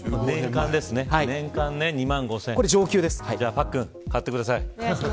パックン、買ってください。